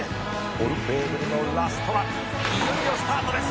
オルフェーヴルのラストラン」「いよいよスタートです！」